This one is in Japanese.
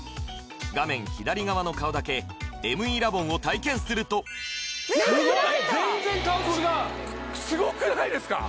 画面左側の顔だけＭＥラボンを体験するとすごい全然顔違うすごくないですか？